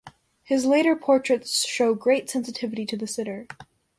His later portraits show great sensitivity to the sitter.